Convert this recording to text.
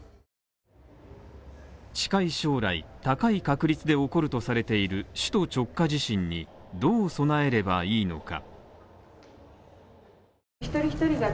近い将来、高い確率で起こるとされている首都直下地震にどう備えればいいのか。